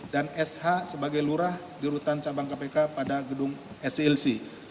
dan sh sebagai lurah di rutan cabang kpk pada gedung slc